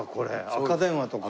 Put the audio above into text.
赤電話とか。